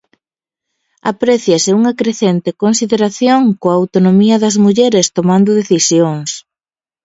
Apréciase unha crecente consideración coa autonomía das mulleres tomando decisións.